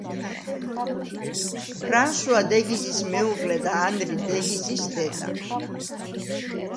ფრანსუა დე გიზის მეუღლე და ანრი დე გიზის დედა.